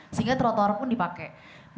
sehingga trotor pun dipakai